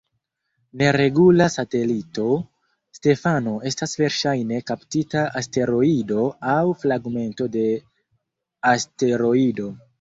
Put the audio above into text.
Neregula satelito, Stefano estas verŝajne kaptita asteroido aŭ fragmento de asteroido.